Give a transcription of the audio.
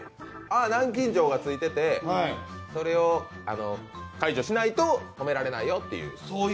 南京錠が付いてて、それを解除しないと止められないという。